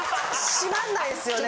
閉まんないっすよね。